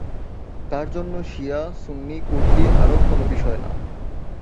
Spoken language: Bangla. তার জন্য শিয়া, সুন্নি, কুর্দি, আরব কোন বিষয় না।